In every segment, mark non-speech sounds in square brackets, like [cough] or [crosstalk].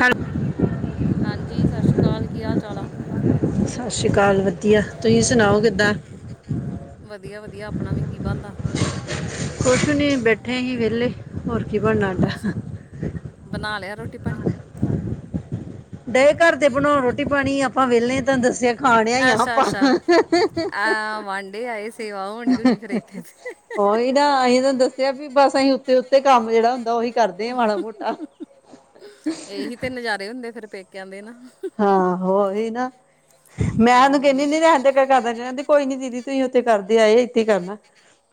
ਹੈ ਹਾਂਜੀ, ਸਤਿ ਸ਼੍ਰੀ ਅਕਾਲ, ਕੀ ਹਾਲ ਚਾਲ ਆ? ਸਤਿ ਸ਼੍ਰੀ ਅਕਾਲ ਵਧੀਆ, ਤੁਸੀਂ ਸੁਣਾਓ ਕਿੱਦਾਂ? ਵਧੀਆ-ਵਧੀਆ, ਆਪਣਾ ਵੀ, ਕੀ ਬਣਦਾ? ਕੁਛ ਨੀ, ਬੈਠੇ ਹੀ ਵਿਹਲੇ, ਹੋਰ ਕੀ ਬਣਨਾ ਬਸ ਅਡਾ। ਬਣਾ ਲਿਆ ਰੋਟੀ ਪਾਣੀਂ? ਡਏ ਘਰ ਤੇ ਬਣਾਓ ਰੋਟੀ ਪਾਣੀ, ਆਪਾਂ ਵਿਹਲੇ ਤਾਨੂੰ ਦੱਸਿਆ ਖਾਣਿਆਂ ਹੀ ਆ ਅੱਛਾ ਆਪਾਂ। ਅੱਛਾ ਆ ਵਾਂਢੇ ਆਏ ਸੇਵਾ ਹੋਣ ਡਈ ਹੋਣੀ ਫਿਰ ਇੱਥੇ ਤੇ। ਉਹੀ ਦਾ, ਅਸੀਂ ਤੁਨੂੰ ਦੱਸਿਆ ਵੀ, ਬਸ ਅਸੀਂ ਉੱਤੇ ਉੱਤੇ ਕੰਮ ਜਿਹੜਾ ਹੁੰਦਾ ਉਹੀ ਕਰਦੇ ਆ ਮਾੜਾ ਮੋਟਾ। ਇਹੀ ਤੇ ਨਜ਼ਾਰੇ ਹੁੰਦੇ ਫੇਰ, ਪੇਕਿਆਂ ਦੇ ਨਾ। ਹਾਂ ਹੋਹੀ ਨਾ, ਮੈਂ ਉਹਨੂੰ ਹੂੰ ਕਹਿਨੀ ਹੁਨੀ ਰੈਨਦੇ ਮ ਕਰ ਦਿੰਦ ਕਹਿੰਦੀ, ਕੋਈ ਨੀ ਦੀਦੀ ਤੁਸੀਂ ਉੱਥੇ ਕਰਦੇ ਆਏ, ਇੱਥੇ ਕਰਨਾ।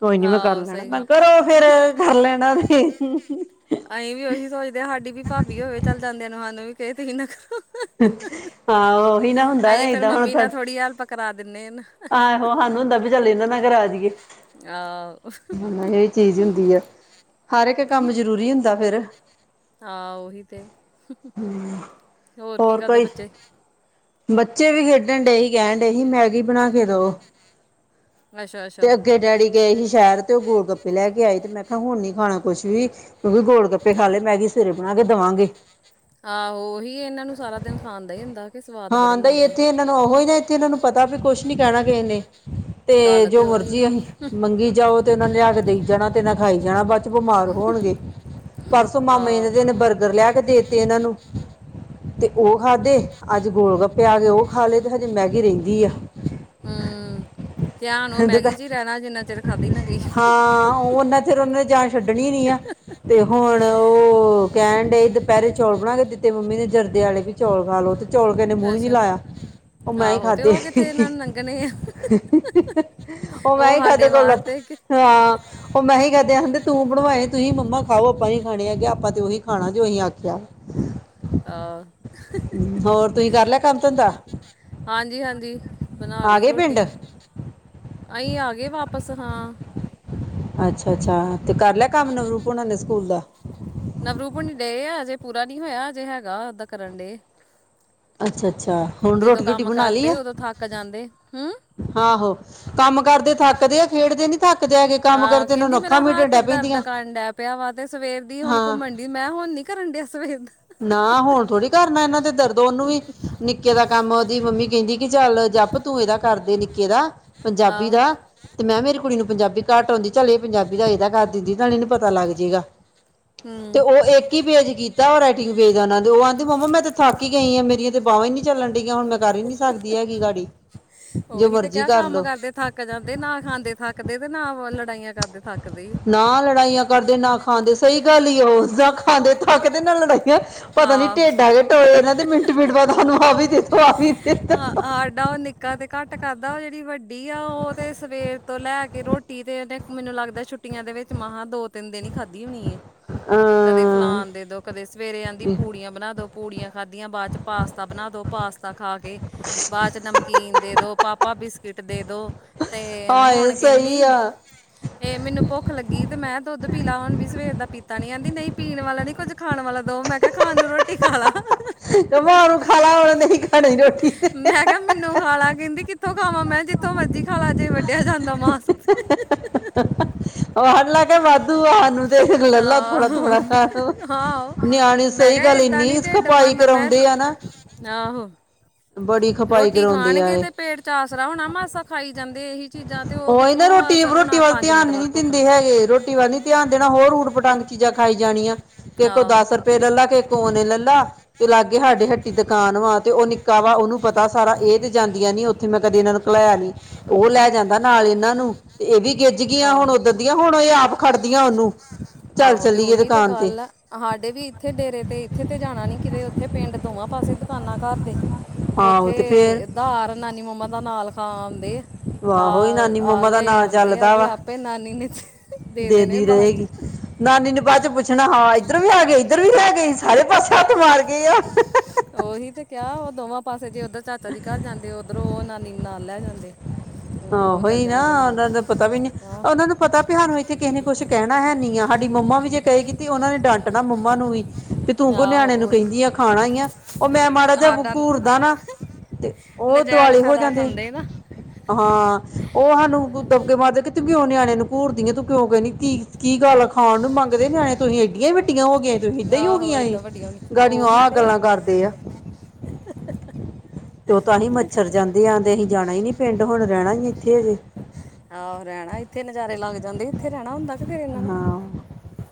ਕੋਈ ਨੀ ਮੈਂ ਕਰ ਆਹੋ ਸਹੀ ਗੱਲ ਲੈਣਾ, ਫੇਰ ਓ ਫੇਰ ਕਰ ਲੈਣਾ ਤੇ ਅਸੀਂ ਵੀ ਉਹੀ ਸੋਚਦੇ ਹ, ਸਾਡੀ ਵੀ ਭਾਬੀ ਹੋਵੇ, ਚੱਲ ਜਾਂਦੇਆਂ, ਨੂੰ ਸਾਨੂੰ ਵੀ ਦੁਖੀ ਨਾ ਕਰੋ। ਹਾਂ ਉਹੀ ਨਾ, ਹੁੰਦਾ ਨਾ ਅਸੀਂ ਫਿਰ ਏਦਾਂ ਹੁਣ। ਮੰਮੀ ਨਾਲ ਥੋੜ੍ਹੀ ਹੈਲਪ ਕਰਾ ਦਿੰਦੇ। ਆਹੋ ਸਾਨੂੰ ਹੁੰਦਾ ਵੀ ਚੱਲ, ਇਹਨਾਂ ਨਾ ਕਰ ਆ ਜਾਈਏ। ਆਹ। ਹ ਇਹਹੀ ਚੀਜ਼ ਹੁੰਦੀ ਹੈ ਹਰ ਇੱਕ ਕੰਮ ਜਰੂਰੀ ਹੁੰਦਾ ਫੇਰ। ਹਾਂ ਉਹੀ ਤੇ, ਹੋਰ ਕੀ ਕਰਦੇ ਬੱਚੇ? ਬੱਚੇ ਵੀ ਖੇਡਣ ਡਏ ਹੀ, ਕਹਿਣ ਡਏਸੀ, ਮੈਗੀ ਬਣਾ ਕੇ ਦੋ। ਅੱਛਾ-ਅੱਛਾ ਤੇ ਅੱਗੇ ਡੈਡੀ ਗਏ ਸੀ, ਸ਼ਹਿਰ ਤੇ ਉਹ ਗੋਲ ਗੱਪੇ ਲੈ ਕੇ ਆਏ, ਤੇ ਮੈਂ ਕਿਹਾ, ਹੁਣ ਨੀ ਖਾਣਾ ਕੁੱਛ ਵੀ। ਕਿਉਂਕਿ ਗੋਲ ਗੱਪੇ ਖਾ ਲਏ, ਮੈਗੀ ਸਵੇਰੇ ਬਣਾ ਕੇ ਦੇਵਾਂਗੇ। ਆਹੋ ਉਹੀ ਇਹਨਾਂ ਨੂੰ ਸਾਰਾ ਦਿਨ ਖਾਣ ਦਾ ਹੀ ਹੁੰਦਾ। ਕਿ ਸਵਾਦ ਬੜੇ ਹਾਂ ਬਈ ਲੈਂਦੇ ਇੱਥੇ ਆ। ਇਹਨਾਂ ਨੂੰ ਉਹੋ ਹੀ ਨਾ ਇੱਥੇ ਇਹਨਾਂ ਨੂੰ ਪਤਾ ਵੀ ਕੁਛ ਨੀ ਕਹਿਣਾ ਕਿਸੇ ਨੇ। ਤੇ ਗੱਲ ਜੋ ਉਹੀ ਨਾ ਮਰਜ਼ੀ ਅਸੀਂ ਮੰਗੀ ਜਾਓ ਤੇ ਉਹਨਾ ਲਿਆ ਕੇ ਦੇਈ ਜਾਣਾ, ਤੇ ਨਾ ਖਾਈ ਜਾਣਾ ਬਾ ਤੇ ਬਿਮਾਰ ਹੋਣਗੇ, ਪਰਸੋਂ ਮਾਮੇ ਇਹ ਆਹ ਦੇ ਨੇ ਬਰਗਰ ਲੇ। ਤੇ ਦੇਤੇ ਇਹਨਾਂ ਨੂੰ, ਤੇ ਉਹ ਖਾਧੇ ਅੱਜ ਗੋਲ ਗੱਪੇ ਆ ਗੇ ਉਹ ਖਾ ਲਏ ਤੇ ਹਜੇ ਮੈਗੀ ਰਹਿੰਦੀ ਆ। ਹੂੰ ਧਿਆਨ ਉਹ ਮੈਗੀ ਚ ਹੀ ਦੁਪਹਿ ਰਹਿਣਾ ਜਿੰਨਾ ਚਿਰ ਖਾਧੀ ਨਾ ਗਈ। ਹਾਂ ਓ ਦਕ। ਫੇਰ ਉਹਨਾ ਨੇ ਜਾਨ ਛੱਡਣੀ ਨੀ ਆ। ਤੇ ਹੁਣ ਉਹ ਕਹਿਣ ਡਏ ਦੁਪਹਿਰੇ ਚੌਲ ਬਣਾ ਕੇ ਦਿੱਤੇ ਮੰਮੀ ਨੇ ਜਰਦੇ ਆਲੇ ਵੀ ਚੌਲ ਖਾਲਓ ਤੇ। ਚੌਲ ਦੇ ਨੇ ਮੂੰਹ ਹੀ ਨਹੀਂ ਅੱਛਾ ਲਾਇਆ ਉਹ ਮੈਂ ਹੀ ਆਹੋ ਤੇ ਖਾਧੇ। ਉਹ ਕਿੱਥੇ ਇਹਨਾਂ ਨੂੰ ਲੰਘਣੇ ਆ ਉਹ ਮੈਂ ਉਹ ਹੀ ਸਾਡੇ ਕਾਦੇ ਕੋਲ ਵਾਸਤੇ ਕਿ ਹਾਂ। ਉਹ ਮੈਂ ਹੀ ਕਹਦੇ ਆ ਕਹਿੰਦੇ ਤੂੰ ਬਣਵਾਏ ਤੁਸੀਂ ਮੰਮਾ ਖਾਓ ਆਪਾਂ ਨੀ ਖਾਣੇ ਹੈਗੇ ਆਪਾਂ ਤੇ ਉਹੀ ਖਾਣਾ ਜੋ ਅਸੀਂ ਆਖਿਆ ਵਾ। ਹ। ਹਾਂ। ਹੋਰ ਤੁਸੀਂ ਕਰ ਲੈ ਕੰਮ- ਧੰਦਾ। ਹਾਂਜੀ- ਹਾਂਜੀ ਬਣਾ ਆ ਲਈ ਗਏ ਪਿੰਡ ਰੋਟੀ, ਅਸੀਂ ਆ ਗਏ ਵਾਪਿਸ ਹਾਂ। ਅੱਛਾ- ਅੱਛਾ ਤੇ ਕਰ ਲਿਆ ਕੰਮ ਨਵਰੂਪ ਹੋਣਾ ਨੇ ਸਕੂਲ ਦਾ। ਨਵਰੂਪਣੀ ਡੇ ਆ ਅਜੇ ਪੂਰਾ ਨੀ ਹੋਇਆ ਅਜੇ ਹੈਗਾ ਓਦਾਂ ਕਰਨ ਡੇ। ਅੱਛਾ- ਅੱਛਾ ਹੁਣ ਰੋਟੀ- ਰੂਟੀ ਕੰਮ ਬਣਾ ਲਈ ਕਰਦੇ ਆ। ਉਦੋਂ ਥੱਕ ਜਾਂਦੇ ਹੂੰ। ਆਹੋ ਕੰਮ ਕਰਦੇ ਥੱਕਦੇ ਆ, ਖੇਡਦੇ ਨੀ ਥੱਕਦੇ ਹੈਗੇ ਕੰਮ ਆਹ ਕਰਦੇ ਇਹਨਾਂ ਕਹਿੰਦੀ ਨੂੰ ਅੱਖਾਂ ਮੇਰਾ ਮੀਟਣ ਹੱਥ ਡੈ ਦਰਦ ਪੈਂਦੀਆਂ ਕਡ ਹੈ ਪਿਆ ਵਾ ਤੇ ਸਵੇਰ ਦੀ ਹੁਣ ਹਾਂ ਘੁੰਮਣ ਮੈਂ ਹੁਣ ਨੀ ਕਰਨ ਡਿਆ ਸਵੇਰ ਦਾ। ਨਾ ਹੁਣ ਥੋੜੀ ਕਰਨਾ ਇਹਨਾਂ ਤੇ ਦਰਦ ਉਹਨੂੰ ਵੀ ਨਿੱਕੇ ਦਾ ਕੰਮ ਆ ਉਹਦੀ ਮੰਮੀ ਕਹਿੰਦੀ ਕਿ ਚੱਲ ਜਪ ਤੂੰ ਇਹਦਾ ਕਰਦੇ ਨਿੱਕੇ ਦਾ। ਪੰਜਾਬੀ ਆਹੋ ਦਾ। ਤੇ ਮੈਂ ਕਿਹਾ ਮੇਰੀ ਕੁੜੀ ਨੂੰ ਪੰਜਾਬੀ ਘੱਟ ਆਉਂਦੀ ਚੱਲ ਇਹ ਪੰਜਾਬੀ ਦਾ ਇਹਏਦਾ ਕਰ ਦਿੰਦੀ ਤਾਂ ਇਹਨੂੰ ਪਤਾ ਲੱਗ ਜਾਏਗਾ। ਤੇ ਹੂੰ ਉਹ ਇੱਕ ਹੀ ਪੇਜ ਕੀਤਾ ਉਹ ਰਾਈਟਿੰਗ ਪੇਜ ਉਹਨਾ ਦੇ ਉਹ ਕਹਿੰਦੀ ਮੰਮਾ ਮੈਂ ਤੇ ਥਾਕੀ ਗਈ ਆ ਮੇਰੀਆਂ ਤੇ ਬਾਵਾ ਨੀ ਚੱਲਣ ਡਗੀਆਂ ਹੁਣ ਮੈਂ ਕਰ ਹੀ ਨਹੀਂ ਸਕਦੀ ਹੈਗੀ ਗਾਡੀ, ਜੋ ਮਰਜ਼ੀ ਕਰ ਲੋ। ਕੇ ਜਾਂਦੇ ਨਾ ਖਾਂਦੇ ਥੱਕਦੇ ਤੇ ਨਾ ਲੜਾਈਆਂ ਕਰਦੇ ਥੱਕ ਗਈ। ਨਾ ਲੜਾਈਆਂ ਕਰਦੇ ਨਾ ਖਾਂਦੇ ਸਹੀ ਗੱਲ ਹੀ ਉਹ ਨਾ ਖਾਂਦੇ ਥੱਕਦੇ, ਨਾ ਲੜਾਈਆਂ। ਪਤਾ ਨੀ ਆਹ ਢੇਡ ਆ ਕੇ ਟੋਏ ਨਾ ਤੇ ਮਿੰਟ- ਮਿੰਟ ਬਾਦ ਸਾਹਾਨੂੰ ਆ ਵੀ ਦੇਦੋਂ ਆ। ਦੇ ਦੋ ਹਾਂ ਸਾਡਾ ਉਹ ਨਿੱਕਾ ਤੇ ਘੱਟ ਕਰਦਾ ਉਹ ਜਿਹੜੀ ਵੱਡੀ ਆ ਉਹ ਤੇ ਸਵੇਰ ਤੋਂ ਲੈ ਕੇ ਕਿ ਰੋਟੀ ਦੇ ਦੇ, ਤੇ ਮੈਨੂੰ ਲੱਗਦਾ ਛੁੱਟੀਆਂ ਦੇ ਵਿੱਚ ਮ ਦੋ -ਤਿੰਨ ਦਿਨ ਹੀ ਖਾਧੀ ਹੋਣੀ ਐ। ਕਦੇ ਅਹ ਫਲਾਨ ਦੇ ਦੋ ਕਦੇ ਸਵੇਰੇ ਆਂਦੀ ਪੂੜੀਆਂ ਬਣਾ ਦੋ। ਪੂੜੀਆਂ ਖਾਧੀਆਂ, ਬਾਅਦ ਚ ਪਾਸਤਾ ਬਣਾ ਦੋ, ਪਾਸਤਾ ਖਾ ਕੇ। ਬਾਅਦ ਚ ਨਮਕੀਨ ਦੇ ਦੋ, ਪਾਪਾ ਬਿਸਕਿਟ ਦੇ ਦੋ। ਤੇ ਹਾਏ ਹੁਣ ਸਹੀ ਕਹਿੰਦੀ ਆ ਇਹ ਮੈਨੂੰ ਭੁੱਖ ਲੱਗੀ ਤੇ ਮੈਂ ਦੁੱਧ ਪੀਲਾ ਹੁਣ ਵੀ ਸਵੇਰ ਦਾ ਪੀਤਾ ਨੀ ਕਹਿੰਦੀ ਨਹੀਂ ਪੀਣ ਵਾਲਾ ਨੀ ਕੁੱਝ ਖਾਣ ਵਾਲਾ ਦੋ, ਮੈਂ ਕਿਹਾ ਖਾਣ ਨੂੰ ਰੋਟੀ ਖਾ ਲਾ। ਮਾਂ ਉਹਨੂੰ ਖਾ ਲਾ ਉਹ ਕੈਹ ਨੀ ਖਾਣੀ ਰੋਟੀ। ਮੈਂ ਕਿਹਾ ਮੈਨੂੰ ਖਾ ਲਾ ਕਹਿੰਦੀ ਕਿੱਥੋਂ ਖਾਵਾਂ ਮੈਂ ਜਿੱਥੋਂ ਮਰਜੀ ਖਾ ਲਾ ਜੇ ਵੱਢਿਆ ਜਾਂਦਾ ਮਾਸ। ਆਹਣ ਲੈ ਕੇ ਵਾਧੂ ਐ ਫੇ ਲੈ ਲੈ ਥੋੜਾ- ਆਹੋ ਥੋੜਾ ਤੂੰ। ਆਹੋ ਨਿਆਣੇ ਮੈਂ ਸਹੀ ਕਿਹਾ ਗੱਲ ਏਦਾਂ ਇੰਨੀ ਨੀ ਢਿੱਡ ਖਪਾਈ ਭਰਨਾ ਮੈਂ ਕਰਾਉਂਦੇ ਆ ਨਾ। ਆਹੋ। ਬੜੀ ਖਪਾਈ ਰੋਟੀ ਕਰਾਉਂਦੇ ਆ ਖਾਣਗੇ ਇਹ ਤੇ ਪੇਟ ਚ ਆਸਰਾ ਹੋਣਾ ਮਾਸਾ ਖਾਈ ਜਾਂਦੇ ਇਹੀ। ਚੀਜ਼ਾਂ ਤੇ ਉਹ ਉਹਹੀ ਤੇ ਕਿੱਥੋਂ ਰੋਟੀ ਅਸਰ ਹੋਣਾ ਰੋਟੀ ਵੱਲ ਪੰਜ ਧਿਆਨ ਮਿੰਟ ਨੀ ਨੀ ਬਾਅਦ ਭੁੱਖ ਦਿੰਦੇ ਲੱਗ ਹੈਗੇ ਰੋਟੀ ਵਾਲੀ ਧਿਆਨ ਦੇਣਾ ਹੋਰ ਊਟ ਪਟਾਂਗ ਚੀਜ਼ਾਂ ਖਾਈ ਜਾਣੀਆਂ ਤੇ ਕੋੋ ਆਹੋ ਦਸ ਫੇਰ ਲਲਾ ਕੇ ਕੋ ਲਲਾ ਤੇ ਲਾਗੇ ਸਾਡੇ ਹੱਟੀ ਦੁਕਾਨ ਵਾ ਤੇ ਉਹ ਨਿੱਕਾ ਵਾ ਉਹਨੂੰ ਪਤਾ ਸਾਰਾ ਇਹ ਤੇ ਜਾਂਦੀਆਂ ਨੀ ਉੱਥੇ ਮੈਂ ਕਦੇ ਇਹਨਾਂ ਨੂੰ ਕਿਲਾਇਆ ਨੀ ਉਹ ਲੈ ਜਾਂਦੀ। ਨਾਲ ਇਹਨਾਂ ਨੂੰ ਤੇ ਇਹ ਵੀ ਗਿੱਝ ਗਈਆਂ ਆਹ ਹੁਣ ਉਦਣ ਦੀਆਂ ਹੁਣ ਇਹ ਆਪ ਖੜਦੀਆਂ ਉਹਨੂੰ ਚੱਲ ਆਹੋ ਤੇ ਚੱਲੀਏ ਉਹੀ ਤੇ ਦੁਕਾਨ ਗੱਲ ਆ। ਹਾਡੇ ਵੀ ਇੱਥੇ ਡੇਰੇ ਤੇ ਇੱਥੇ ਤੇ ਜਾਣਾ ਨੀ ਕਿਤੇ ਉੱਥੇ ਪਿੰਡ ਦੋਵਾਂ ਪਾਸੇ ਦੁਕਾਨਾਂ ਘਰ ਦੇ। ਆਹੋ ਤੇ ਫੇਰ ਉੱਥੇ ਧਾਰ ਨਾਨੀ ਮੰਮਾ ਦਾ ਨਾਂਅ ਆਂਦੇ ਆ। ਆਹੋ ਹੀ ਨਾਨੀ ਆਹ ਆ ਮੰਮਾ ਦਾ ਲਏ ਨਾਂ ਆਉਂਦੇ ਆ ਚੱਲਦਾ ਵੀ ਵਾ ਆਪੇ ਨਾਨੀ ਨੇ ਦੇ ਦੇਣੇ ਦੇਦੀ ਬਾਅਦ ਚ। ਰਹੇਗੀ ਨਾਨੀ ਨੂੰ ਬਾਅਦ ਚ ਪੁੱਛਣਾ ਹਾਂ ਇੱਧਰ ਵੀ ਹੈ ਗਏ, ਇੱਧਰ ਵੀ ਹੈ ਗਏ ਸਾਰੇ ਪਾਸੇ ਹੱਥ ਮਾਰ ਗਏ ਆ। ਉਹੀ ਤੇ ਕਿਆ ਉਹ ਦੋਵਾਂ ਪਾਸੇ ਜੇ ਉਧਰ ਚਾਚਾ ਜੀ ਘਰ ਜਾਂਦੇ ਓਧਰੋਂ ਉਹ ਨਾਨੀ ਨਾਲ ਲੈ ਜਾਂਦੇ। ਉਹ ਚੱਲ ਉਹੀ ਨਾ ਜਾਣਗੇ ਨਾਲ ਉਹਨਾਂ ਦਾ ਪਤਾ ਵੀ ਨੀ ਆਹ ਉਹਨਾਂ ਨੂੰ ਪਤਾ ਪੀ ਹਾਨੂੰ ਇੱਥੇ ਕਿਸੇ ਨੇ ਕੁੱਛ ਕਹਿਣਾ ਹੈ ਨ੍ਹੀ ਆ ਸਾਡੀ ਮੰਮਾ ਵੀ ਜੇ ਕਹੇ ਕੀਤੀ ਉਹਨਾਂ ਨੇ ਡਾਂਟਣਾ ਮੰਮਾ ਨੂੰ ਵੀ। ਵੀ ਤੂੰ ਕਿਉਂ ਨਿਆਣੇ ਨੂੰ ਆਹੋ ਉਹੀ ਕਹਿੰਦੀ ਆ ਖਾਣਾ ਈ ਆ, ਉਹ ਮੈਂ ਮਾੜਾ ਜਿ ਸਾਡਾ ਘੂਰਦਾ ਨਾ ਤੇ ਉਹ ਨਜਾਇਜ਼ ਦੁਆਲੇ ਹੋ ਫਾਇਦਾ ਜਾਂਦੇ। ਉਠਾਉਂਦੇ ਨਾ ਹਾਂ ਉਹ ਹਾਨੂੰ ਦਬਕੇ ਮਾਰਦੇ ਕਿ ਤੂੰ ਕਿਉਂ ਨਿਆਣੇ ਨੂੰ ਘੂਰਦੀ ਆ ਤੂੰ ਕਿਉਂ ਕਹਿਣੀ ਧੀ ਕੀ ਗੱਲ, ਖਾਣ ਨੂੰ ਮੰਗਦੇ ਨਿਆਣੇ ਤੁਹੀ ਏਡੀਆਂ ਹੀ ਵੱਡੀਆਂ ਹੋ ਗਈਆਂ ਹੀ। ਤੁਸੀ ਇਦਾਂ ਹੀ ਹੋ ਆਹੋ ਗਈਆਂ ਹਨ, ਏਦਾਂ ਵੱਡੀਆਂ ਗਾੜਿਓ ਉਹੀ ਆਹ ਤੇ ਗੱਲਾਂ ਕਰਦੇ ਆ। ਤੇ ਉਹ ਤਾਂ ਅਸੀਂ ਮੱਛਰ ਜਾਂਦੇ ਆਂਦੇ ਅਹੀਂ ਜਾਣਾ ਈ ਨੀ ਪਿੰਡ ਹੁਣ ਰਹਿਣਾ ਹੀ ਇੱਥੇ ਹਜੇ। ਆਹੋ ਰਹਿਣਾ ਇੱਥੇ ਨਜ਼ਾਰੇ ਲੱਗ ਜਾਂਦੇ ਇੱਥੇ ਰਹਿਣਾ ਹੁੰਦਾ। ਫਿਰ ਇਹਨਾਂ ਨੇ ਹਾਂ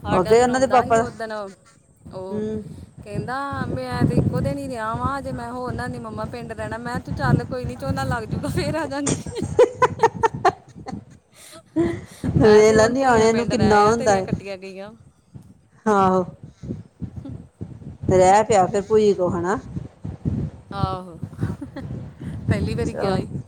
ਸਾਡਾ ਅੱਗੇ ਤੇ ਉਹਨਾਂ ਦੇ ਰੋਂਦਾ ਪਾਪਾ ਸੀ ਦਾ ਓਦਣ ਉਹ ਹੂੰ ਕਹਿੰਦਾ ਮੈਂ ਤੇ ਇੱਕੋ ਦਿਨ ਹੀ ਰਿਹਾ ਵਾ ਅਜੇ ਮੈਂ ਹੋਰਨਾਂ ਦੀ ਨਾਨੀ ਮੰਮਾ ਪਿੰਡ ਰਹਿਣਾ ਮੈਂ ਹੈਂ ਤੂੰ ਚੱਲ ਕੋਈ ਨੀ ਝੋਨਾ ਲੱਗ ਜੂਗਾ ਫੇਰ ਆ ਜਾਂਗੇ। ਮੈਂ ਵੇਖ ਤੂੰ ਲਾ ਹੁਣ ਭੂਈਆਂ ਨਿਆਣਿਆਂ ਨੂੰ ਪਿੰਡ ਰਹਿ ਕਿੰਨਾ ਆ ਹੁੰਦਾ ਤੇਰੀਆਂ ਏ ਕੱਟੀਆਂ ਗਈਆਂ। ਆਹੋ, ਤੇ ਰਹਿ ਪਿਆ ਫਿਰ ਭੂਈ ਕੋ ਹਨਾ। ਆਹੋ, ਪਹਿਲੀ ਵਾਰੀ ਗਿਆ ਈ। ਚਲੋ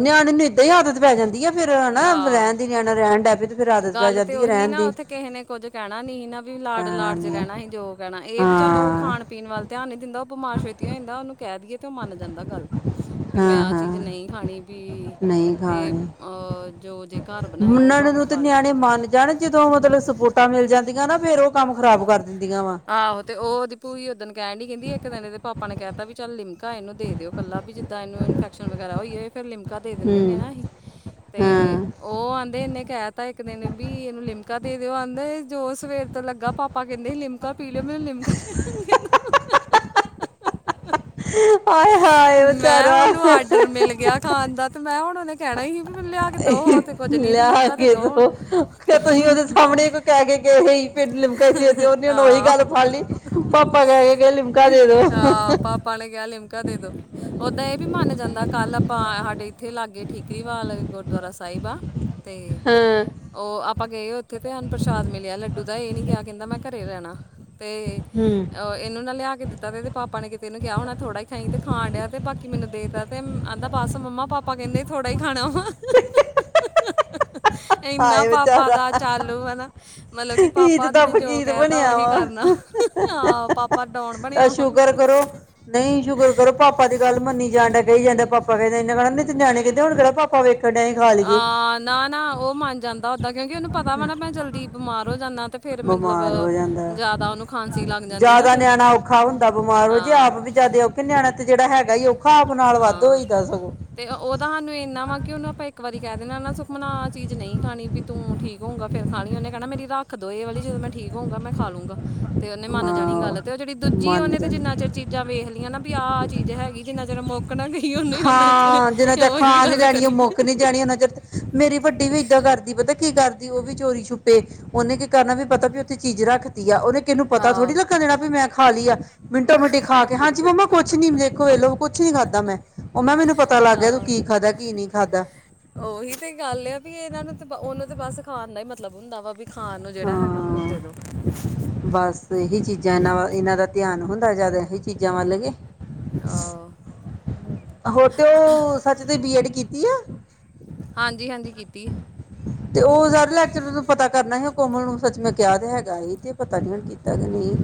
ਨਿਆਣੇ ਨੂੰ ਏਦਾਂ ਹੀ ਆਦਤ ਪੈ ਜਾਂਦੀ ਆ ਫੇਰ ਹਨਾ, ਆਹ ਰਹਿਣ ਦੀ ਨਿਆਣਾ ਰਹਿਣ ਡੈ ਨੇਂ ਤੇ। ਫਿਰ ਆਦਤ ਪੈ ਗੱਲ ਤੇ ਜਾਂਦੀ ਹੈ ਉਹੀ ਰਹਿਣ ਨਾ ਦੀ ਉੱਥੇ ਕਿਹੇ ਨੇ ਕੁੱਝ ਕਹਿਣਾ ਨੀਹੀ ਨਾ ਵੀ ਲਾਡ ਕਹਿਣਾ ਲਾੜ ਚ ਨੀ ਰਹਿਣਾ ਹੀ ਜੋ ਕਹਿਣਾ ਇਹ ਵੀ ਚਲੋ ਹਾਂ ਖਾਣ ਪੀਣ ਵਲ ਧਿਆਨ ਨੀ ਦਿੰਦਾ ਉਹ ਬਮਾਰ ਛੇਤੀ ਹੋ ਜਾਂਦਾ, ਉਹਨੂੰ ਕਹਿ ਦਈਏ ਤੇ ਉਹ ਮੰਨ ਜਾਂਦਾ ਗੱਲ। ਵੀ ਮੈਂ ਹਾਂ ਆਹ ਹਾਂ ਚੀਜ਼ ਨਈਂ ਖਾਣੀ ਪੀ। ਨਹੀਂ ਤੇ ਖਾਣੀ ਅਹ ਜੋ ਜੇ ਘਰ ਬਣਾਇਆ ਉਹ ਮੰਨਣ ਭਾਵੇਂ ਨੂੰ ਖਾ ਤੇ ਲਏ ਨਿਆਣੇ ਮੰਨ ਜਾਣ ਜਦੋਂ ਮਤਲਬ ਸਪੋਰਟਾਂ ਮਿਲ ਜਾਂਦੀਆਂ ਨਾ ਫੇਰ ਉਹ ਕੰਮ ਖਰਾਬ ਕਰ ਦਿੰਦੀਆਂ ਵਾ। ਆਹੋ ਤੇ ਉਹ ਉਹਦੀ ਭੂਈ ਉਦਨ ਕਹਿ ਡੀ ਕਹਿੰਦੀ ਇੱਕ ਦਿਨ ਇਹਦੇ ਪਾਪਾ ਨੇ ਕਹਿਤਾ ਵੀ ਚੱਲ ਲਿਮਕਾ ਇਹਨੂੰ ਦੇ ਦਿਓ। ਇਕੱਲਾ ਵੀ ਜਿੱਦਾਂ ਇਹਨੂੰ ਇਨਫੈਕਸ਼ਨ ਵਗੈਰਾ ਹੋਈਏ ਫਿਰ ਲਿਮਕਾ ਦੇ ਦਿੰਦੇ ਹੁੰਦੇ ਹੂੰ ਨਾ ਅਸੀਂ ਤੇ ਹਾਂ ਉਹ ਆਹਂਦੇ ਇਹਨੇ ਕਹਿ ਤਾ ਇੱਕ ਦਿਨ ਵੀ ਇਹਨੂੰ ਲਿਮਕਾ ਦੇ ਦਿਓ ਆਹਂਦੇ ਜੋ ਸਵੇਰ ਤੋਂ ਲੱਗਾ ਪਾਪ ਆਪਾਂ ਕਹਿੰਦੇ ਲਿਮਕਾ ਪੀ ਲਿਓ ਮੈਨੂੰ ਲਿਮਕਾ ਲਿਆ ਕੇ ਦੋ। ਆਏ ਹਾਏ ਮੈਂ ਵਿਚਾਰਾ ਉਹਨੂੰ ਆਡਰ ਮਿਲ ਗਿਆ ਖਾਣ ਦਾ ਤੇ ਮੈਂ ਹੁਣ ਉਹਨੇ ਕਹਿਣਾ ਹੀ ਸੀ ਵੀ ਮੈ ਲਿਆ ਕੇ ਦੋ ਹੋ ਤੇ ਕੁੱਝ ਨੀਂ ਲਿਆ ਲਿਮਕਾ ਤੇ ਕੇ ਦੋ ਹੁਣ ਤੁਸੀਂ ਉਹਦੇ ਸਾਹਮਣੇ ਕੋਈ ਕਹਿ ਕੇ ਗੇ ਪਿੰਡ ਲਿਮਕੇ ਸੀ ਤੇ ਉਹਦੀ ਉਹੀ ਗੱਲ ਹਾਂ ਫੜਲੀ ਪਾਪਾ ਕਿਹ ਕੇ ਗਏ ਲਿਮਕਾ ਦੇ ਦੋ। ਹਾਂ [unintelligible] ਪਾਪਾ ਨੇ ਕਿਹਾ ਲਿਮਕਾ ਦੇ ਦੋ। ਓਦਾਂ ਇਹ ਵੀ ਮੰਨ ਜਾਂਦਾ ਕੱਲ ਆਪਾਂ ਹਾਡੇ ਇੱਥੇ ਲਾਗੇ ਠੀਕਰੀਵਾਲ ਗੁਰਦੁਆਰਾ ਸਾਹਿਬ ਆ। ਤੇ, ਹਾਂ ਓ ਆਪਾਂ ਗਏ ਉੱਥੇ ਤੇ, ਅਨ ਪ੍ਰਸ਼ਾਦ ਮਿਲਿਆ ਲੱਡੂ ਦਾ ਏਹ ਨੀ ਗਿਆ, ਕੈਂਦਾ ਮੈਂ ਘਰੇ ਰੈਨਾ, ਤੇ ਹੂੰ। ਅਹ ਇਨੂੰ ਨਾ ਲਿਆ ਕੇ ਦਿੱਤਾ, ਤੇ ਪਾਪਾ ਨੇ ਕਿਤੇ ਇਨੂੰ ਕਿਆ ਹੋਨਾ ਥੋੜਾ ਈ ਖਾਈਂ, ਤੇ ਖਾਣ ਡਿਆ ਤੇ ਬਾਕੀ ਮੈਨੂੰ ਦੇ, ਦਿਤਾ, ਤੇ ਆਂਦਾ ਬਸ ਮੰਮਾ, ਪਾਪਾ ਕੈਂਦੇ ਥੋੜਾ ਈ ਖਾਣਾ ਵਾ। ਏਨਾ, ਹਾਏ ਪਾਪਾ ਦਾ ਵਿਚਾਰਾ ਚਾਲੂ ਐ ਨਾ, ਮਤਲਬ ਕਿ ਈਦ ਪਾਪਾ ਦਾ ਨੇ ਜੋ ਫਕੀਰ ਕੇਹ ਤਾ ਬਣਿਆ ਓਹੀ ਵਾ ਕਰਨਾ [unintelligible] ਨਈ ਸ਼ੁਕਰ ਕਰੋ ਪਾਪਾ ਦੀ ਗੱਲ ਮੰਨੀ ਜਾਨ ਡੇਆ ਕਈ ਜਾਂਦਾ ਪਾਪਾ ਕੈੰਦੇ ਇਨਾਂ ਕੇਹਣਾ ਨਈ ਤੇ ਨਿਆਣੇ ਕੈੰਦੇ ਹੁਣ ਕੇਹੜਾ ਪਾਪਾ ਭਾਵੇਂ ਇਕ ਟਾਈਮ ਖਾ ਲੀਏ, ਹਾਂ ਨਾ- ਨਾ ਉਹ ਮੰਨ ਜਾਂਦਾ ਓਦਾਂ ਕਿਉਂਕਿ ਉਨੂੰ ਪਤਾ ਵਾ ਨਾ ਮੈਂ ਜਲਦੀ ਬਿਮਾਰ ਹੋ ਜਾਂਨਾ। ਤੇ ਫੇਰ ਮਤਲਬ ਬਿਮਾਰ ਹੋ ਜਾਂਦਾ, ਜ਼ਿਆਦਾ ਉਹਨੂੰ ਖਾਂਸੀ ਲੱਗ ਜਾਂਦੀ ਨਾ ਜਾਦਾ ਫੇਰ ਨਿਆਣਾ ਔਖਾ ਹੁੰਦਾ, ਬਿਮਾਰ ਹੋ ਜੀ ਹਾਂ ਆਪ ਵੀ ਜਿਆਦੇ ਔਖਾ ਕਿ ਨਿਆਣਾ ਤੇ ਜੇਹੜਾ ਹੈਗਾ ਈ ਔਖਾ, ਆਪ ਨਾਲ ਵਾਧੂ ਹਾਂ ਹੋਈਦਾ ਸਗੋਂ। ਤੇ, ਉਹਦਾ ਸਾਨੂੰ ਇੰਨਾ ਵਾ ਕਿ ਉਨੂੰ ਆਪਾਂ ਇੱਕ ਵਾਰੀ ਕੇਹ ਦੇੰਦੇ ਆ ਨਾ ਸੁਖਮਨ ਆ ਚੀਜ ਨਈ ਖਾਣੀ ਬੀ ਤੂੰ, ਠੀਕ ਹੋਊਂਗਾ ਫੇਰ ਖਾ ਲਈਂ, ਉਨੇ ਕੇਹਣਾ ਮੇਰੀ ਰੱਖ ਦੋ ਏ ਵਾਲੀ ਜਦੋਂ ਮੈਂ ਠੀਕ ਹੋਊਂਗਾ ਮੈਂ ਖਾ ਲੂੰਗਾ। ਤੇ ਓਨੇ ਮੰਨ ਜਾਣੀ ਹਾਂ ਗੱਲ, ਤੇ ਓ ਜੇਹੜੀ ਦੂਜੀ ਮੰਨ ਓਨੇ ਤੇ ਜਾਣ ਜਿੰਨਾ ਚਿਰ ਚੀ ਜਾਂ, ਵੇਖ ਲਈਏ ਨਾ, ਵੀ ਆਹ -ਆਹ ਚੀਜ਼ ਹੈਗੀ ਜਿੰਨਾ ਚਿਰ ਨਾ ਗਈ ਉਹਨੇ ਉਹਨਾਂ ਚਿਰ ਖਾ, ਜਿੰਨਾ ਚਿਰ ਉਹੀ ਖਾ ਨੀ ਗੱਲ ਲੈਣੀ ਓ ਕਰੀ ਮੁੱਕ ਨੀ ਜਾਣੀ ਓਨਾ ਚਿਰ ਮੇਰੀ ਵੱਡੀ ਵੀ ਏਦਾਂ ਕਰਦੀ, ਪਤਾ ਕੀ ਕਰਦੀ ਓ ਵੀ ਚੋਰੀ ਛੁਪੇ ਓਨੇ ਕੀ ਕਰਨਾ, ਵੀ ਪਤਾ ਵੀ ਉੱਥੇ ਚੀਜ਼ ਰੱਖਤੀ ਆ ਓਹਨੇ, ਕਿਹਨੂੰ ਪਤਾ ਆਹ ਥੋੜ੍ਹੀ ਲੱਗਣ ਦੇਣਾ ਵੀ ਮੈਂ ਖਾ ਲਈ ਆ। ਮਿੰਟੋ -ਮਿੰਟੀ ਖਾ ਕੇ, ਹਾਂਜੀ ਮੰਮਾ ਕੁਛ ਨੀ, ਦੇਖੋ ਏਹ ਲੋ ਕੁਛ ਨੀ ਖਾਧਾ ਮੈਂ ਓ ਮੈਂ ਕੇਆ, ਮੈਨੂੰ ਪਤਾ ਲੱਗ ਗਿਆ, ਤੂੰ ਕੀ ਖਾਦਾ, ਕੀ ਨਹੀਂ ਖਾਦਾ। ਓਹੀ ਤੇ ਗੱਲ ਆ ਵੀ, ਇਨਾਂ ਨੂੰ ਤੇ ਉਨੂੰ ਤੇ ਬਸ ਖਾਣ ਦਾ ਈ ਮਤਲਬ ਹੁੰਦਾ ਵਾ, ਵੀ ਖਾਣ ਨੂੰ, ਜੇਹੜਾ ਹੈਗਾ ਮੈਨੂੰ ਹਾਂ ਦੇ ਦੋ। ਬਸ, ਏਹੀ ਚੀਜ਼ਾਂ ਇਨਾਂ ਵ ਇਨਾਂ ਦਾ ਧਿਆਨ ਹੁੰਦਾ ਜਾਦਾ ਏਹੀ ਚੀਜ਼ਾਂ ਵੱਲ ਕੇ ਆ ਹੋਰ ਤੇ, ਓ ਸੱਚ ਤੇ ਬੀ ਐਡ ਕੀਤੀ ਐ? ਹਾਂਜੀ -ਹਾਂਜੀ ਕੀਤੀ। ਤੇ, ਓ ਸਾਰੇ ਲੈਕਚਰ ਪਤਾ ਕਰਨਾ ਸੀ, ਓ ਕੋਮਲ ਨੂੰ ਸੱਚ ਮੈਂ ਕਿਆ ਤੇ ਹੈਗਾ ਸੀ, ਤੇ ਪਤਾ ਨੀ ਹੁਨ ਕੀ? ਕੀਤਾ ਕਿ ਨਈ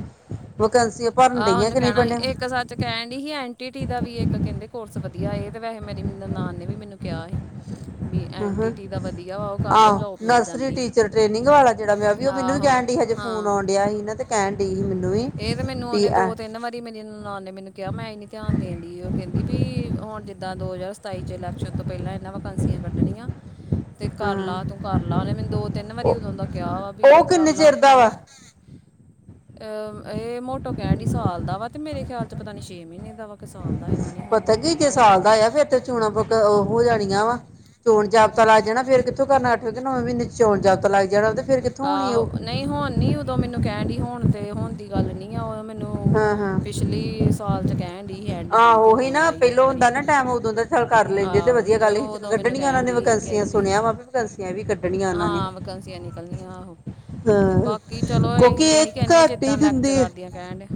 ਵਕੈੰਸੀ ਭਰਨ ਡਈਆਂ ਕਿ ਨਈਂ ਭਰਨੀ ਕੇਹਣ ਡਈ ਸੀ ਐਨ -ਟੀ- ਟੀ ਦਾ ਵੀ ਇੱਕ ਕੈਂਦੇ ਕੋਰਸ ਵਧੀਆ ਏ, ਤੇ ਵੈਸੇ ਮੇਰੀ ਨਨਾਨ ਨੇ ਵੀ ਮੈਨੂੰ ਕੇਹਾ ਸੀ। ਵੀ ਐਨਟੀਟੀ ਦਾ ਵਧੀਆ ਵਾ ਉਹ ਕਰ ਲਓ ਆਹੋ, ਜੋਬ ਮਿਲ ਨਰਸਰੀ ਜਾਂਦੀ ਟੀਚਰ ਟ੍ਰੇਨਿੰਗ ਵਾਲਾ ਜੇਹੜਾ ਮੈਂ ਵੀ, ਓ ਆ ਮੈਨੂੰ ਵੀ ਆਹੋ ਕੇਹਣ ਡਈ ਹਜੇ ਫੋਨ ਹਾਂ ਆਉਣ ਡੇਆ ਸੀ ਨਾ, ਤੇ ਕੇਹਣ ਡਈ ਸੀ ਮੈਨੂੰ ਵੀ, ਇਹ ਤੇ ਮੈਨੂੰ ਵੀ ਉਹਨੇ ਐ। ਦੋ ਤਿੰਨ ਮੇਰੀ ਵਾਰੀ ਨਨਾਨ ਨੇ ਮੈਨੂੰ ਕੇਹਾ, ਮੈਂ ਹੀ ਨੀ ਧਿਆਨ ਦੇਣ ਡਈ ਓ ਕੈਂਦੀ ਬੀ ਹੁਣ ਜਿੱਦਾਂ ਦੋ ਹਜਾਰ ਸਤਾਈ 'ਚ ਇਲੈਕ ਸ਼ਨ ਤੋਂ ਪੇਹਲਾਂ ਇਨਾਂ ਵੈਕੰਸੀਆਂ ਕੱਢਣੀਆਂ, ਤੇ ਕਰ ਹਾਂ ਲਾ, ਤੂੰ ਕਰ ਲਾ, ਓਨੇ ਮੈਨੂੰ ਦੋ- ਤਿੰਨ ਵਾਰੀ ਉਦੋਂ ਦਾ ਕੇਆ ਵਾ, ਉਹ ਵੀ ਕਰ ਕਿੰਨੇ ਲਾ, ਚਿਰ ਤੇ ਦਾ ਮੈਂ ਵਾ ਨੀ ਅਹ ਏਹ ਮੋਟੋ ਕੇਹਣ ਡਈ, ਸਾਲ ਦਾ ਵਾ ਤੇ ਮੇਰੇ ਖਿਆਲ ਚ, ਪਤਾ ਨੀ ਛੇ ਮਹੀਨੇ ਦਾ ਵਾ। ਕੇ ਸਾਲ ਦਾ, ਇਨਾ ਨੀ ਹੁਣ ਪਤਾ ਮੇਰੇ ਕੀ ਜੇ ਪੱਕਾ ਨੀ ਸਾਲ ਦਾ ਆ ਫਿਰ ਤੇ ਚੋਣਾਂ ਬੁਕ, ਹੋ ਜਾਣੀਆਂ ਵਾ। ਚੋਣ ਜਾਬਤਾ ਲੱਗ ਜਾਣਾ, ਫੇਰ ਕਿੱਥੋਂ ਕਰਨਾ, ਅੱਠਵੇਂ ਕੇ ਨੌਵੇ ਮਹੀਨੇ ਚੋਣ ਜਾਬਤਾ ਲੱਗ ਜਾਣਾ, ਤੇ ਫਿਰ ਕਿੱਥੋਂ ਹੋਣੀ ਆਹੋ, ਉਹ ਨਈ ਹੁਣ ਨੀ, ਉਦੋਂ ਮੈਨੂੰ ਕੇਹਣ ਡਈ, ਹੁਣ ਤੇ ਹੁਣ ਦੀ ਗੱਲ ਨੀ ਆ, ਉਦੋਂ ਮੈਨੂੰ ਨੂੰ, ਹਾਂ ਹਾਂ ਪਿਛਲੀ ਸਾਲ ਚ ਕੇਹਣ ਡਈ ਸੀ, ਐਂਡ ਜੀ ਆਹੋ ਤੇ ਉਹੀ ਉਦੋਂ ਨਾ ਆਈ ਇੱਕ ਪਹਿਲੋਂ ਵਾਰੀ। ਹੁੰਦਾ ਨਾ ਟਾਈਮ ਉਦੋਂ ਦਾ ਚੱਲ ਕਰ ਲੈਂਦੇ ਆਹੋ, ਵਧੀਆ ਤੇ ਗੱਲ ਸੀ ਓਦੋਂ ਮੈਨੂੰ ਕੱਢਣੀਆਂ ਉਹਨਾਂ ਕੇਹਣ ਨੇ ਡਈ ਵੈਕੈਂਸੀਆਂ ਕੇਂਹਦੀ ਸੁਣਿਆ ਵਾ ਵੀ ਵੈਕੈਂਸੀਆਂ ਵੀ ਕੱਢਣੀਆਂ ਉਹਨਾਂ ਨੇ ਹਾਂ, ਵੈਕੰਸੀਆਂ ਨਿਕ ਆ, ਹੋ ਤੇ ਹਾਂ ਬਾਕੀ ਚਲੋ ਅਸੀ ਕਿਉਂਕਿ ਤੇ ਏਹੀ ਇਹ ਕਹਿੰਦੇ ਘੱਟ ਹੀ ਜਿੱਦਾਂ ਦਿੰਦੇ ਆ ਲੈਕਚਰਾਰ ਦੀਆਂ ਕੇਹਣ ਡੇ-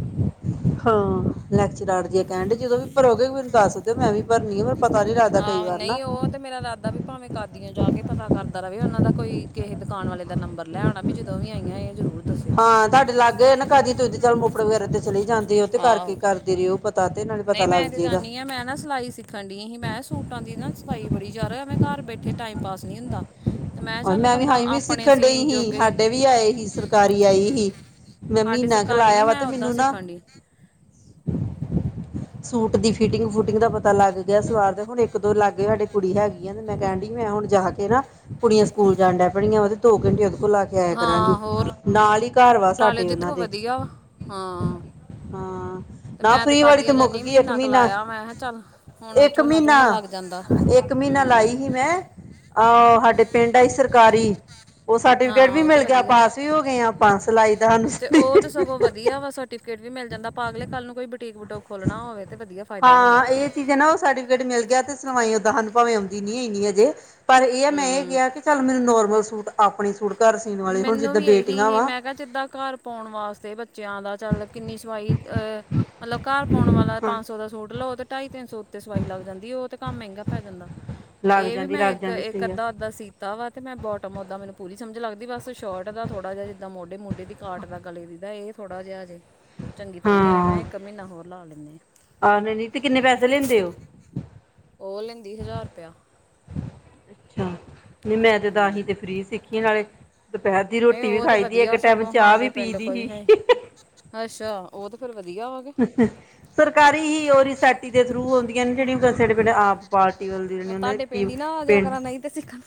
ਹਾਂ, ਲੈਕਚਰਾਰ ਦੀਆਂ ਕੇਹਣ ਡੇ, ਜਦੋਂ ਵੀ ਭਰੋਗੇ, ਮੈਨੂੰ ਦੱਸ ਦਿਓ, ਮੈਂ ਵੀ ਭਰਨੀ ਆ। ਪਤਾ ਨੀ ਰਾ ਆਹੋ ਨਹੀਂ ਉਹਰ ਤੇ ਮੇਰਾ ਦਾਦਾ ਵੀ ਭਾਵੇਂ ਕਾਦੀਆਂ ਜਾ ਕੇ ਪਤਾ ਕਰਦਾ ਰ ਵੀ ਉਹਨਾਂ ਦਾ ਕੋਈ ਕਿਸੇ ਦੁਕਾਨ ਵਾਲੇ ਦਾ ਨੰਬਰ ਲੈ ਆਉਣਾ ਵੀ ਜਦੋਂ ਵੀ ਆਈਆਂ ਹੈ ਜ਼ਰੂਰ ਦੱਸਿਓ ਹਾਂ ਤੁਹਾਡੇ ਲਾਗੇ ਨਾ ਕਾਦੀ ਤੁਸੀਂ ਤੇ ਚੱਲ ਮੁਫੜ ਵਗੈਰਾ ਤੇ ਚਲੀ ਜਾਂਦੇ ਉਹ ਤੇ ਕਰਕੇ ਆਹੋ ਕਰਦੇ ਰਹੇ ਹੋ ਪਤਾ ਤੇ ਨਾ ਨਹੀਂ ਮੈਂ ਤੇ ਜਾਂਦੀ ਹਾਂ ਮੈਂ ਨਾ ਸਿਲਾਈ ਸਿੱਖ ਠੰਡੀਆਂ ਹੀ ਮੈਂ ਕਿਹਾ ਸੂਟਾਂ ਦੀ ਨਾ ਸਫਾਈ ਬੜੀ ਜ਼ਿਆਦਾ ਮੈਂ ਘਰ ਬੈਠੇ ਟਾਈਮ ਪਾਸ ਨਹੀਂੀ ਹੁੰਦਾ ਤੇ ਮੈਂ ਔਰ ਚੱਲ ਵੀ ਬੰਦਾ ਹਾਈ ਵੀ ਆਪਣੇ ਸਿੱਖਣ ਡਈ ਸੀਨ ਸੀ ਜੋਗੇ ਸਾਡੇ ਵੀ ਆਏ ਹੀ ਸਰਕਾਰੀ ਆਈ ਸੀ ਮੈਂ ਸਾਡੀ ਮਹੀਨਾ ਕ ਸਰਕਾਰੀ ਨੀ ਲਾਇਆ ਵਾ ਮੈਂ ਤੇ ਓਦਾਂ ਮੈਨੂੰ ਨਾ ਸਿੱਖਣ ਡੀ ਸੂਟ ਦੀ ਫਿਟਿੰਗ ਫੂਟਿੰਗ ਦਾ ਪਤਾ ਲੱਗ ਗਿਆ ਸਲਵਾਰ ਦੇ ਹੁਣ ਇੱਕ ਦੋ ਲਾਗੇ ਸਾਡੇ ਕੁੜੀ ਹੈਗੀ ਮੈਂ ਕਹਿਣ ਡ ਮੈਂ ਹੁਣ ਜਾ ਕੇ ਨਾ ਕੁੜੀਆਂ ਸਕੂਲ ਜਾਣ ਡਿਆ ਪੜੀਆਂ ਦੋ ਘੰਟੇ ਉਹਦੇ ਕੋਲ ਲਾ ਕੇ ਆਇਆ ਕਰਾਂਗੇ ਹਾਂ ਹੋਰ ਨਾਲ ਹੀ ਘਰ ਵਾ ਲਾ ਲਿਓ ਸਾਡੇ ਉਹਨਾਂ ਜਿੱਦੋਂ ਦੇ ਵਧੀਆ ਵਾ ਹਾਂ ਹਾਂ ਤੇ ਨਾ ਮੈਂ ਤੇ ਫਰੀ ਵਾਲੀ ਖਾਦੀਆਂ ਜਾਦੀ ਮੁੱਕ ਨਹੀਂ ਗਈ ਇੱਕ ਮਹੀਨਾ ਕਲਾਾਇਆ ਮੈਂ ਚੱਲ ਹੁਣ ਇੱਕ ਝੋਨਾ ਮਹੀਨਾ ਝੋਨਾ ਲੱਗ ਜਾਂਦਾ ਇੱਕ ਮਹੀਨਾ ਹਮ ਲਾਈ ਸੀ ਮੈਂ ਅਹ ਸਾਡੇ ਪਿੰਡ ਆਈ ਸਰਕਾਰੀ ਉਹ ਸਰਟੀਫਿਕੇਟ ਹਾਂ ਵੀ ਉਹ ਤੇ ਮਿਲ ਗਿਆ ਵਧੀਆ ਪਾਸ ਵੀ ਹੋ ਗਈਆਂ ਪਾਸ ਲਾਈ ਦਾ ਸਾਨੂੰ ਤੇ ਉਹ ਸਰਫਿਕੇਟ ਤੇ ਸਗੋਂ ਵਧੀਆ ਵਾ ਸਰਟੀਫਿਕੇਟ ਵੀ ਮਿਲ ਜਾਂਦਾ ਪਾਗਲੇ ਕੱਲ ਨੂੰ ਕੋਈ ਬਟੀਕ ਵਟੂਕ ਖੋਲ੍ਹਣਾ ਹੋਵੇ ਤੇ ਵਧੀਆ ਫਾਇਦਾ ਹੋ ਜਾਂਦਾ ਉਹਦਾ ਜ ਨਾ ਉਹ ਸਰਟੀਫਿਕੇਟ ਮਿਲ ਗਿਆ ਤੇ ਸਣਵਾਈ ਓਦਾਂ ਸਾਨ ਭਾਵੇਂ ਆਉਂਦੀ ਨੀਈ ਨੀ ਅਜੇ ਪਰ ਇਹ ਹੈ ਮੈਂ ਇਹ ਹੂੰ ਕਿਹਾ ਕਿ ਚੱਲ ਮੈਨੂੰ ਨੋਰਮਲ ਸੂਟ ਆਪਣੇ ਸੂਟ ਘਰ ਸੀਣ ਵਾਲੇ ਹੁਣ ਮੈਨੂੰ ਜਿੱਦਾਂ ਵੀ ਇਹੀ ਬੇਟੀਆਂ ਹੀ ਵਾ ਮੈਂ ਕਿਹਾ ਜਿੱਦਾਂ ਘਰ ਪਾਉਣ ਵਾਸਤੇ ਬੱਚਿਆਂ ਦਾ ਚੱਲ ਕਿੰਨੀ ਸਵਾਈ ਅਹ ਮਤਲਬ ਘਰ ਪਾਉਣ ਵਾਲਾ ਪੰਜ ਸੌ ਦਾ ਸੂਟ ਲਓ ਤੇ ਢਾਈ ਤਿੰਨ ਸੌ ਉੱਤੇ ਸਵਾਈ ਲੱਗ ਜਾਂਦੀ ਉਹ ਤੇ ਕੰਮ ਮਹਿੰਗਾ ਪੈ ਜਾਂਦਾ ਲੱਗ ਇਹ ਵੀ ਜਾਂਦੀ ਮੈਂ ਲੱਗ ਇੱਕ ਜਾਂਦੀ ਇੱਕ ਸਹੀ ਆ ਅੱਧਾ ਅੱਧਾ ਸੀਤਾ ਵਾ ਤੇ ਮੈਂ ਬਹੁਤ ਆ ੱਦ ਮੈਨੂੰ ਪੂਰੀ ਸਮਝ ਲੱਗਦੀ ਬਸ ਸ਼ੋਰਟ ਦਾ ਥੋੜਾ ਜਿ ਜਿੱਦਾਂ ਮੋਢੇ ਮੰਡੇ ਦੀ ਕਾਰਟ ਦਾ ਗਲੇ ਦੀ ਦਾ ਇਹ ਥੋੜਾ ਜਿਹਾ ਹਜੇ ਚੰਗੀ ਤਰ੍ਹਾਂ ਨਹੀਂੀ ਆਇਆ ਮੈਂ ਹਾਂ ਇੱਕ ਮਹੀਨਾ ਹੋਰ ਲਾ ਲੈਂਦੇ ਹਾਂ ਆਹ ਨਹੀਂ ਨਹੀਂ ਤੇ ਕਿੰਨੇ ਪੈਸੇ ਲੈਂਦੇ ਉਹ ਲੈਂਦੀ ਹਜ਼ਾਰ ਰੁਪਇਆ ਅੱਛਾ ਨਹੀਂ ਮੈਂ ਹਮ ਜਦਾਸੀ ਤੇ ਫਰੀ ਸਿੱਖੀ ਨਾਲੇ ਦੁਪਹਿਰ ਦੀ ਨਹੀਂ ਰੋਟੀ ਵੀ ਉਹ ਤੇ ਖਾਈ ਦੀ ਇੱਕ ਵਧੀਆ ਟਾਈਮ ਸਗੋਂ ਚਾਹ ਵੀ ਸਾਡੇ ਪੀ ਪਿੰਡ ਦੀ ਕੋਈ ਸੀ ਹੈ ਅੱਛਾ ਉਹ ਤੇ ਫੇਰ ਵਧੀਆ ਹੋ ਸਰਕਾਰੀ ਹੀ ਉਹ ਰਿਸਾਇਟੀ ਦੇ ਥਰੂ ਹੁੰਂਦੀਆਂ ਨੇ ਜਿਹੜੀਆਂ ਸੜੇ ਪ ਆਪ ਪਾਲ ਕੇ ਵੱਲਦੀ ਰਹਿੰਣੀ ਉਹ ਤੁਹਾਡੇ ਕੀ ਪਿੰਡ ਹੀ ਨਾ ਆ ਜਿਆ ਪਿੰਡ ਕਰਾਂ ਨਹੀਂ ਤੇ ਸਿੱਖਣ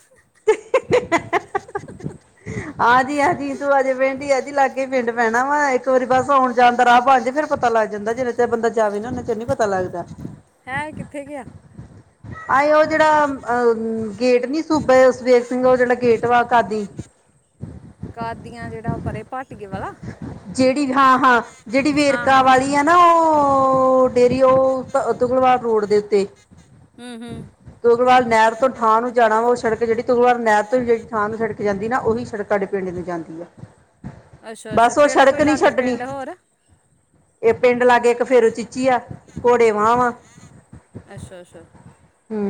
ਹਾਂਜੀ ਹਾਂਜੀ ਤੂੰ ਅਜੇ ਪਿੰਡ ਹੀ ਆ ਜੀ ਲਾਗੇ ਪਿੰਡ ਪੈਣਾ ਵਾ ਇੱਕ ਤੇ ਵਾਰੀ ਬਸ ਆਉਣ ਜਾਣਦਾ ਰਾਹ ਬਣੇ ਫੇਿਰ ਪਤਾ ਲੱਗ ਜਾਂਦਾ ਜਿੰਨੇ ਚਿਰ ਬੰਦਾ ਜਾਵੇ ਨਾ ਓਨਾ ਚਿਰ ਨੀ ਪਤਾ ਲੱਗਦਾ ਹੈਂ ਇਹ ਕਿੱਥੇ ਗਿਆ ਆ ਆਏ ਉਹ ਜਿਹੜਾ ਅਹ ਗੇਟ ਨੀ ਸੂਬੇ ਸੁਬੇਗ ਸਿੰਘ ਉਹ ਜਿਹੜਾ ਗੇਟ ਵਾ ਕਾਦੀ ਕਾਦੀਆਂ ਜਿਹੜਾ ਉਹ ਪਰੇ ਭਾਟਏ ਵਾਲਾ ਜਿਹੜੀ ਹਾਂ ਹਾਂ ਜਿਹੜੀ ਹਾਂ ਵੇਰਕਾ ਹਾਂ ਵਾਲੀ ਆ ਨਾ ਉਹ ਉਹ ਡੇਅਰੀ ਉਹੁਗਲਵਾਰ ਰੋਡ ਦੇ ਉੱਤੇ ਹਮ ਹਮ ਉਗਰਵਾਰ ਨਹਿਰ ਤੋਂ ਥਾਂ ਨੂੰ ਜਾਣਾ ਵਾ ਉਹ ਸੜਕ ਜਿਹੜੀ ਉਗਰਾਰ ਨਹਿਰ ਤੋਂ ਜਿਹੜੀ ਥਾਂ ਨੂੰ ਛੜਕ ਜਾਂਦੀ ਨਾ ਉਹੀ ਸੜਕ ਤੁਹਾਡੇ ਪਿੰਡ ਨੂੰ ਜਾਂਦੀ ਆ ਅੱਛਾ ਅੱਛਾ ਕਿਹੜਾ ਤੱਕ ਕੋਈ ਨਹੀਂ ਲਾਗੇ ਛੱਡਣੀ ਪਿੰਡ ਹੋਰ ਇਹ ਪਿੰਡ ਲਾਗੇ ਇੱਕ ਫੇਰੋ ਚੀਚੀ ਆ ਘੋੜੇ ਵਾਹ ਵਾਂ ਅੱਛਾ ਅੱਛਾ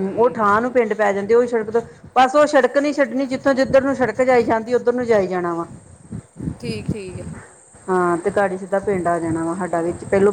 ਠੀਕ ਹੈ ਠਾਂ ਨੂੰ ਪਿੰਡ ਪੈ ਜਾਂਦੀ ਉਹੀ ਸੜਕ ਤੋਂ ਬਸ ਉਹ ਸੜਕ ਨੀ ਛੱਡਣੀ ਜਿੱਥੋਂ ਜਿੱਧਰ ਨੂੰ ਸੜਕ ਜਾਈ ਜਾਂਦੀ ਉੱਧਰ ਨੂੰ ਜਾਈ ਜਾਣਾ ਵਾ ਠੀਕ ਠੀਕ ਆ ਹਾਂ ਤੇ ਕੀ ਸਿੱਧਾ ਪਿੰਡ ਆ ਜਾਣਾ ਵਾ ਸਾਡਾ ਵਿੱਚ ਪਹਿਲੋਂ